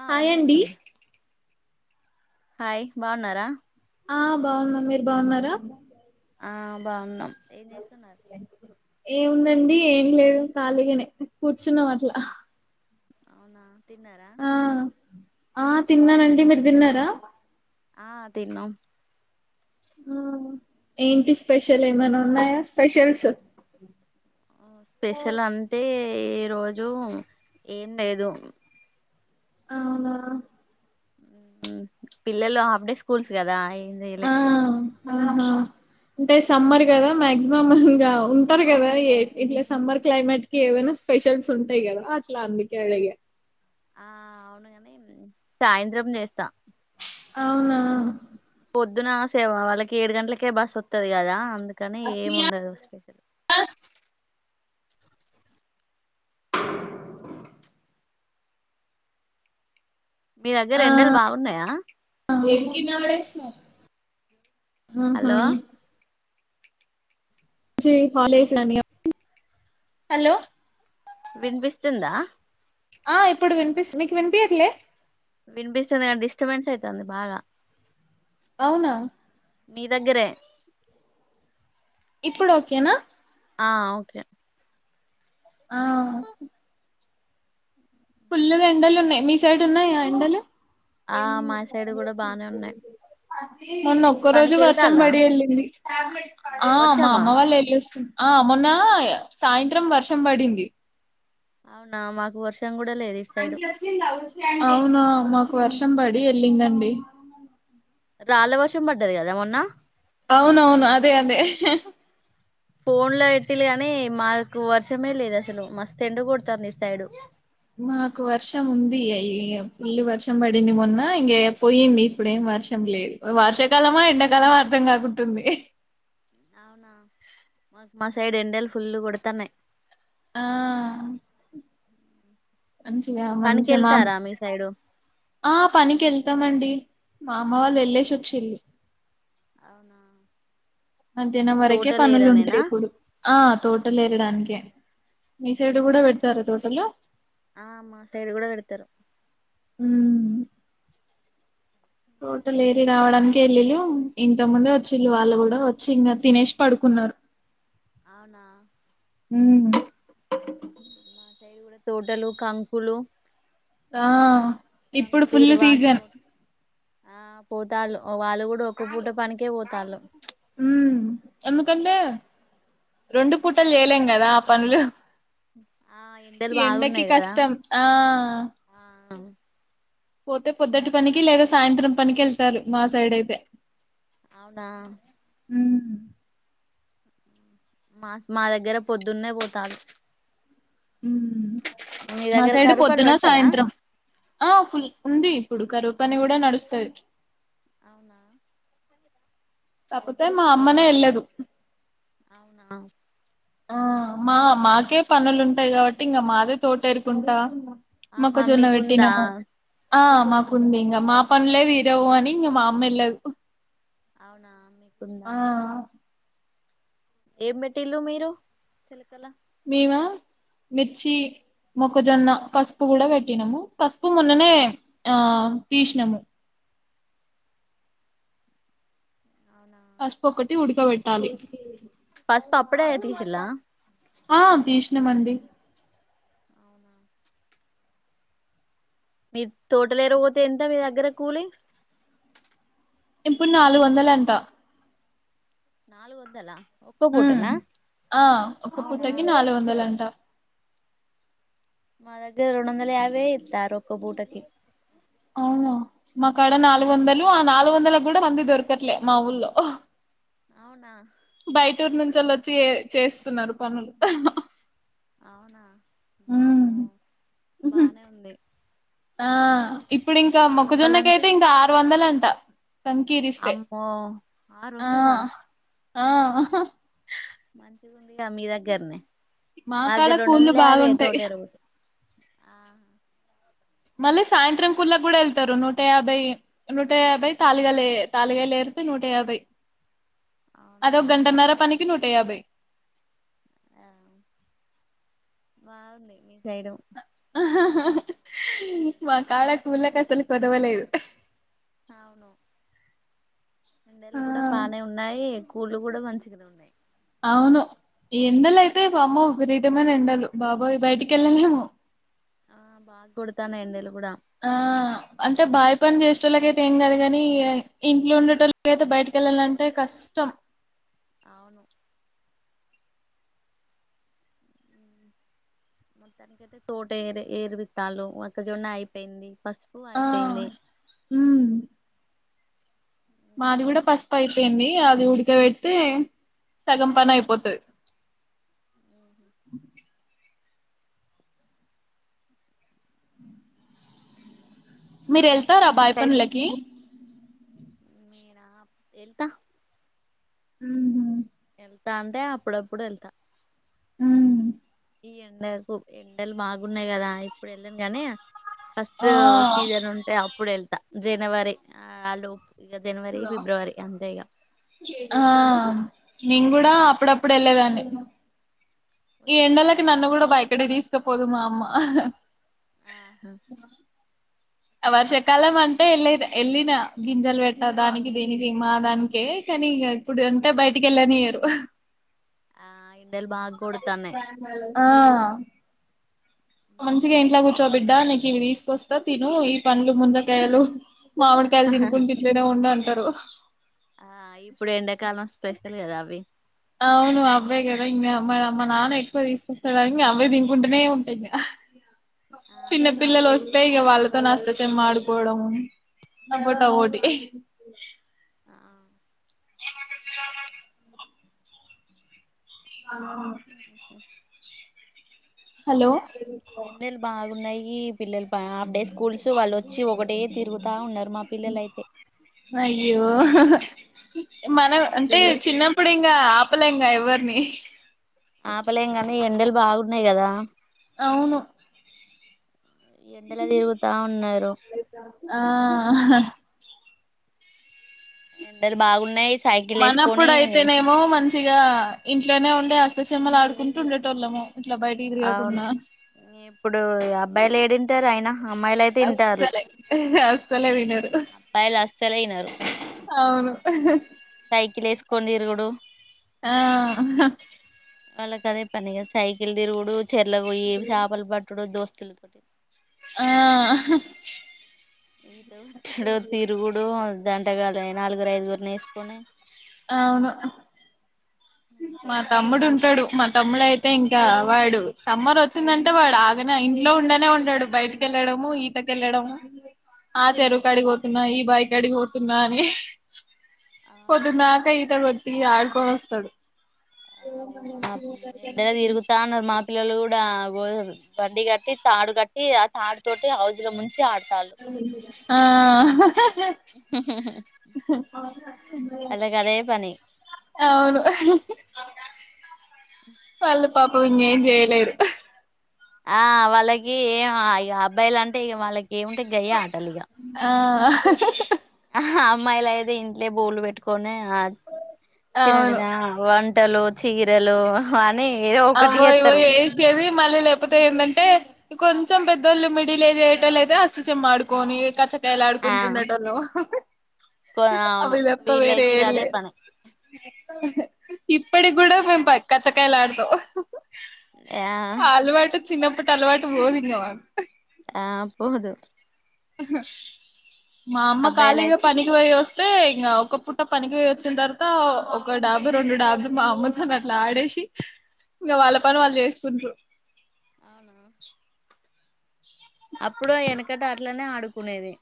ఆ హాయ్ అండి వినిపిస్తుంది. హాయ్ బాగున్నారా? ఆ బాగున్నాన్. మీరు బాగున్నారా? ఆ బాగున్నాం. ఏం చేస్తున్నారు? ఏముందండి ఏం లేదు. ఖాళీగనే, కూర్చున్నాం అట్ల. అవునా తిన్న. ఆ. ఆ ఏం తిన్నానండి. కూర మీరు తిన్నారా? ఆ తిన్నాం ఆ ఏంటి స్పెషల్ ఏమన్నా ఉన్నాయా స్పెషల్స్ స్పెషల్ అంటే ఈ రోజు ఏం లేదు అవునా పిల్లలు హాఫ్ డే స్కూల్స్ గదా ఏంజెయ్యలే ఆ ఆహా అంటే సమ్మర్ గదా మాగ్జిమమ్ ఇంగా ఉంటర్ గదా ఇట్లా సమ్మర్ క్లైమేట్ కి ఏవైనా స్పెషల్స్ ఉంటాయి గదా అట్లా అందుకే అడిగా ఆ అవునుగాని సాయంత్రం జేస్తా అవునా పొద్దున సేవ వాళ్ళకి ఏడు గంటలకే బస్ వత్తది గదా అందు కనీ ఏమ్ ఉండదు స్పెషల్ మీ దగ్గర ఎండలు బాగున్నాయా కింద పడేసినావ్ ఆహ హలో హలో [inaudible] హలో వినిపిస్తుందా ఆ ఇప్పుడు వినిపిస్తు మీకు వినిపియట్లే వినిపిస్తుంది కానీ డిస్టర్బెన్స్ అయితుంది బాగా అవునా మీ దగ్గరే ఇప్పుడు ఓకేనా ఆ ఓకే ఆ ఫుల్గా ఎండలు ఉన్నాయి మీ సైడ్ ఉన్నాయా ఎండలు ఆ మా సైడ్ కూడా బానే ఉన్నాయి [unintelligible] మొన్న ఒక్క రోజు పనికి వర్షం వెళ్తాలా పడి యెళ్ళింది ఆ మా వర్షమా అమ్మ వాళ్ళు వెళ్ళొస్తురు ఆ మొన్న సాయంత్రం వర్షం బడింది అవునా మాకు వర్షం గూడా అవునా మాకు వర్షం బడి యెళ్ళిందండి రాళ్ళ వర్షం బడ్డది గదా మొన్న అవునవును అదే అదే ఫోన్ ల బెట్టిల్లు గానీ మాకు వర్షమే లేదు అసలు మస్త్ ఎండ గొడుతుంది ఇటు సైడు మాకు వర్షం ఉంది అయి ఫుల్ వర్షం పడింది మొన్న ఇంక పోయింది ఇప్పుడేం వర్షం లేదు వర్షాకాలమా ఎండాకాలమా అర్థం కాకుంటుంది అవునా మాకు మా సైడ్ ఎండలు ఫుల్లు కొడతున్నాయ్ ఆ మంచిగా పనికి మంచిగా మా వెళ్తారా మీ సైడు ఆ పనికి యెళ్తామండి మా అమ్మ వాళ్ళు ఎల్లేసి వచ్చిళ్ళు అవునా మధ్యాహ్నం వరకే పనులు ఉంటాయ్ తోటలేరానేనా ఇప్పుడు ఆ తోటలేయడానికే ఆ మా సైడ్ కూడా కడతరు ఉమ్ తోటల్ ఏరీ రావడానికి యెళ్ళిళ్ళు ఇంత ముందే వచ్చిళ్ళు వాళ్ళు గూడా వచ్చి ఇంకా తినేసి పడుకున్నారు అవునా ఉమ్ మా సైడ్ గూడా తోటలు కంకులు ఆ ఇప్పుడు కంకులు ఫుల్ ఇరువా సీజన్ తోట ఆ పోతాళ్ళు వాళ్ళు గూడా ఒక్క పూట పనికే పోతాళ్ళు ఉమ్ ఎందుకంటే రెండు పూటలు జేయలేం గదా ఆ పనులు ఆ ఎండలు ఈ ఎండకి బాగున్నాయి కదా కష్టం ఆ ఆ పోతే పొద్దటి పనికి లేదా సాయంత్రం పనికి వెళ్తారు మా సైడ్ అయితే అవునా ఉ మాస్ మా దగ్గర పొద్దున్నే పోతాలు మా దగ్గర సైడ్ కరువు పని పొద్దున పెడతారా సాయంత్రం ఆ ఫుల్ ఉంది ఇపుడు కరువు పని కూడా నడుస్తది అవునా కాపోతే మా అమ్మనే వెళ్ళదు అవునా ఆ మా మాకే పనులుంటాయి కాబట్టి ఇంకా మాదే తోటేరుకుంటా ఆహా మొక్కజొన్న మీకుందా వెట్టినము ఆ ఆహా మాకు ఉందింగా మా పనులే తీరవు అని ఇంగ మా అమ్మ ఎల్లదు అవునా మీకుందా ఏం పెట్టీలు మీరు చిలకల మేమా మిర్చి మొక్కజొన్న పసుపు కూడా పెట్టినాము పసుపు మొన్ననే ఆ తీసినాము. అవునా పసుపు ఒక్కటి ఉడకవేట్టాలి పసుపు అప్పుడే తీసిల్లా ఆ తిష్ణమండి అవునా మీ తోటలేర పోతే ఎంత మీ దగ్గర కూలి ఇప్పుడు నాలుగు వందలాంట నాలుగు వందలా ఒక్క ఉ పూటనా ఆ ఒక అవునా పుటకి నాలుగు వందలు అంటా మా దగ్గర రెండోందల యాబాయే ఇత్తారు ఒక్క పూటకి అవునా మా కాడ నాలుగు వందలు ఆ నాలుగు వందలకు కూడా మంది దొరకట్లే మా ఊళ్లో అవునా బయటూరు నుంచేళ్ళి వచ్చి ఏ చేస్తున్నారు పనులు అవునా ఉమ్. వామ్మో బానే ఉంది ఆ ఇప్పుడు ఇంకా నాలుగు వందలు అంటే మొక్కజొన్నకైతే ఇంకా ఆరు వందలు అంట కంకి ఇరిస్తే అమ్మో ఆరు ఆ వందలా ఆ మంచి గుందిగా మీ దగ్గరనే మా కాడ దగ్గర రెండు కూళ్ళు వందల యాబాయే తోట బాగుంటాయి ఏరా వో ఆ మళ్ళీ సాయంత్రం కుళ్ళ కూడా వెళ్తారు నూట యాభై నూట యాభై తాలిగా లే తాలిగా లేరు అంటే నూట యాభై అవునా అదొ గంటన్నర పనీకి నూట యాభై ఆ బాగుంది మీ సైడు మా కాడ కూళ్ళకు అసలు కొదవలేదు అవును ఎండలు ఆ కూడా బానే ఉన్నాయి కూళ్లు కూడా మంచిగానే ఉన్నయి అవును ఎండలు అయితే వామ్మో విపరీతమైన ఎండలు బాబోయి బయటికి వెళ్ళలేము ఆ బాగా కొడతానై ఎండలు కూడా ఆ అంటే బాయి పని చేసేటోళ్ళకైతే ఏం కాదు కని ఇంట్లో ఉండే టోళ్ అయితే బయటకి వెళ్ళాలంటే కష్టం అవును మొత్తానినికియితే తోట ఏరు ఏరువిత్తాలు ఒకక్కజొన్న అయిపోయింది పసుపు ఆ అయిపోయింది ఉమ్ మాది కూడా పసుపు అయిపోయింది అది ఉడకబడితే సగం పనయిపోతది అ మీరు వెళ్తారా మీ బాయ్ సైడ్ పనులకి నేనా వెళ్తా ఉమ్ డాంటే అప్పుడప్పుడు వెళ్తా ఈ ఎండలకు ఎండలు బాగున్నాయి కదా ఇప్పుడు వెళ్ళను గాని ఫస్ట్ ఆ సీజన్ ఉంటే అప్పుడు వెళ్తా జనవరి ఆ లోపు ఇక జనవరి ఫిబ్రవరి అంతే ఇక ఆ నేను కూడా అప్పుడప్పుడు బేలేదాన్ని ఈ వంద రోజులు ఎండలకి పనికి నన్ను కూడా బయటకి తీసుకపోదు మా అమ్మ ఆహా వర్షకాలం అంటే వెళ్ళ వెళ్ళిన గింజలు పెట్ట దానికి దీనికి మా దానికి కానీ ఇగ ఇప్పుడు అంటే బయటికి వెళ్ళన నియ్యరు ఆ ఎండలు బాగ కొడుతన్నేయి ఆ అందుకే మంచిగా ఇంట్లా కూర్చో బిడ్డ నీకు ఇవి తీసుకొస్తా తిను ఈ పంలు ముంజకాయలు మామిడికాయలు తినుకున్టు ఇట్లనే ఉండు అంటారు ఆ ఇప్పుడు ఎండాకాలం స్పెషల్ కదా అవి అవును అవే కదా ఇంకా మ మా నాన్న ఎక్కువ తీసుకుస్తాడు ఇంక అవే తింకుంటూనే ఉంటాయి ఇంక చిన్న ఆహా పిల్లలు వస్తే ఇక వాళ్ళతో అష్టచమ్మ ఆడుకోవడంము ఆ మంగోటా ఓటి ఆ ఏం అక్క అవును హలో ఈ పిల్లలు హాఫ్ డే స్కూల్స్ వాళ్ళుచ్చి ఒకటే తిరుగుతా ఉన్నారు మా పిల్లలు అయితే ఉమ్ అయ్యో మనం మా అంటే పిల్ల చిన్నప్పుడు ఇంకా అపలెంగా ఎవరిని ఆపలేమ్ కానీ ఎండలు బాగున్నాయి కదా అవును ఎండలో తిరుగుతా ఉన్నారు ఆ ఆహా ఎండలు బాగున్నాయి సైకిల్ మనప్పుడు వేసుకొని అయితేనేమో మంచి మంచిగా ఇంట్లోనే ఉండే అస్తచమ్మలు ఆడుకుంటూ ఉండేట వాళ్ళము అవును ఇప్పుడు అబ్బాయిలు ఏడుంటారు అయినా అమ్మాయిలు అయితే ఇంటారు అసలే అసలే వినరు అబ్బాయిలు అస్సలే వినరు అవును ఆహా సైకిల్ వేసుకొని తిరుగుడు ఆ వాళ్ళకి అదే పనిగాద సైకిల్ తిరుగుడు చెరలకి పోయి చాపలు పట్టుడు దోస్తులతోటి ఆ ఆహా టుడు తిరుగుడు జంటగాలని నాలుగురు ఐదుగురుని ఎసుకొని అవును అంతే మా ఇగ తమ్ముడు ఉంటాడు మా తమ్ముడు అయితే ఇంకా వాడు సమ్మర్ వచ్చిందంటే వాడు ఆగనే ఇంట్లో ఉండనే ఉంటాడు బయటికెళ్ కెళ్ళడము ఈత కళ్డము ఆ చెరువుకు కాడిగిపోతున్నా ఈ బాయికి కాడిగిపోతున్నా అని ఆహా పోదుందాక ఈత కొట్టి ఆడుకొని వస్తాడు ఆ ఉమ ఎండకి తిరుగుతాన్నారు మా పిల్లలు కూడా గో బండి గట్ ట్టి తాడు కట్టి ఆ తాడు తోటి హజులో ముంచి ఆడతాలు ఆ ఆహా హా హా వాళ్ళకి అదే పని అవును ఆహా వాళ్ళు పాపం ఇంకేం చేయలేరు హా ఆ వాళ్ళకి ఏ ఇక అబ్బాయిలు అంటే ఇక వాళ్ళకి ఏముంటే గయే ఆటలు ఇక ఆ అమ్మాయిలు అయితే ఇంట్లే బోలు పెట్టుకొని ఆ తిన అవును తిన వ బట్టలు చీరలు అని ఏదో ఒకటి అబో ఇగో చేత్తరు ఏసేది మళ్ళ నేప్ కాకపోతే ఏంటంటే ఇం కొంచెం పెద్దోళ్ళు మిడిలే చేయటలు అయితే అష్తా చేమ్మ అడుకొని కాలా ఆ ఆడుకుంటుడెన్టోల్లు కొ అవును అవి తప్ప వేరే వీళ్ళైతే ఇగ ఎం అదే లేదు పని ఇప్పటి కూడా మేము ప కాచ్చకాయలు ఆడుతాం ఆ చిన్నప్పుటి అలవాటు పోదు ఇంగా మాకు ఆ పోదు మా అమ్మ కాళీగా అబ్బాయిలయితే ఇగ పనికిపోయి వస్తే ఇంగా ఒక పుట్ట పనికిపోయి వచ్చిన తర్వాత ఒక డాబు రెండు డాబు మా అమ్మతోని అట్లా ఆడేసి ఇంకా వాళ్ళ పని వాళ్ళు చేసుకుంట్రు అవునా ఇక్కట అట్లనే ఆడుకునేది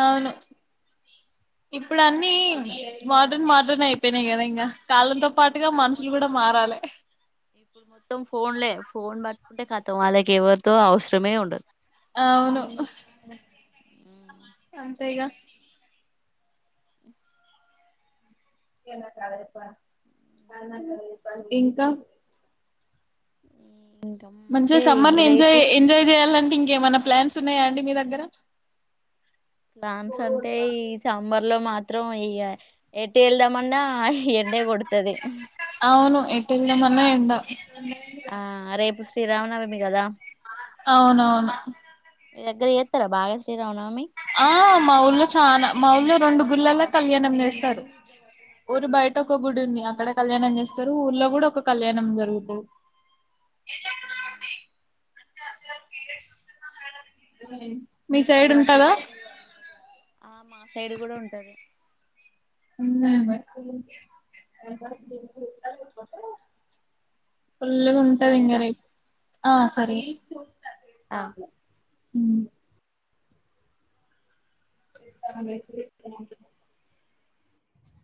అవును ఇప్పుడు అన్నీ ఇప్పుడు మోడర్న్ మార్ డ్రన్ అయిపోయి కదా ఇంకా ఇప్పుడు మొత్తం ఇప్పుడు మొత్తం ఫోన్లే ఫోన్ బట్టి కుంటే కతం వాళ్ళకి ఎవరితో అవసరమే ఉండదు అవును అంతేగా ఇంకా ఉమ్ మంచిగా సమ్మర్ ని ఎంజాయ్ ఎంజాయ్ చేయాలంటే ఇంకా ఏమన్నా ప్లాన్స్ ఉన్నాయా అండి మీ దగ్గర ప్లాన్స్ అంటే ఈ సమ్మర్ ల్లో మాత్రం ఇగ ఏటూ ఎళ్దామన్నా ఎండే కోడ్తాది అవును ఏటు వెళ్దాం అన్న ఎండ ఆ రేపు శ్రీరామనవమి కదా అవునవును మీ దగ్గర ఎస్తారా బాగా శ్రీరావునమి ఆ మా ఊల్లో చాలా మా ఊల్లో రెండు గుళ్ళాల కళ్యాణం చేస్తాడు ఊరు బయట ఒక గుడి ఉంది అక్కడ కళ్యాణం చేస్తారు ఊర్లో కూడా ఒక కళ్యాణం జరుగుతాది ఉమ్ మీ సైడ్ ఉంటదా ఆ మా సైడ్ కూడా ఉంటది ఉమ్ భక్తులు ఫూల్లుగా ఉంటది ఇంకా సరేరా రేపు ఆ సరే ఆ ఉమ్